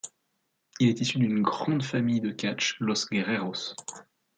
Il est issu d'une grande famille de catch Los Guerreros.